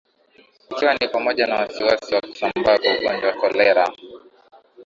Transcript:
ikiwa ni pamoja na wasiwasi wa kusambaa kwa ugonjwa cholera